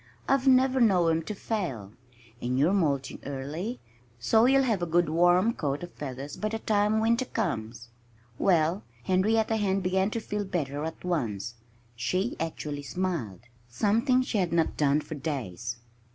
I've never known 'em to fail. And you're molting early so you'll have a good warm coat of feathers by the time winter comes." Well, Henrietta Hen began to feel better at once. She actually smiled something she had not done for days.